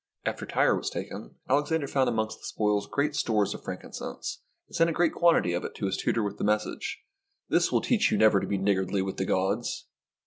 Af ter Tyre was taken, Alexander found among the spoils great stores of frankincense, and sent a great quantity of it to his tutor with the message, " This will teach you never to be niggardly with the gods!"